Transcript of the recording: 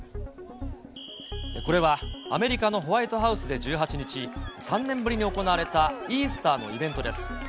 これはアメリカのホワイトハウスで１８日、３年ぶりに行われたイースターのイベントです。